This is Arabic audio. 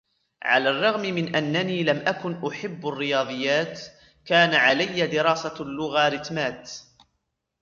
على الرغم من أنني لم أكن أحب الرياضيات ، كان عليِ دراسة اللوغاريتمات.